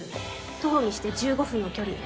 徒歩にして１５分の距離。